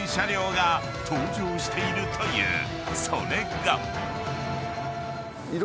［それが］